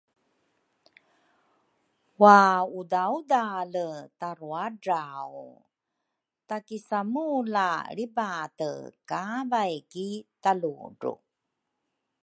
waudaudale taruadrau, ta-kisamula lribate kavay ki taludru.